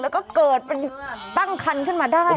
แล้วก็เกิดเป็นตั้งคันขึ้นมาได้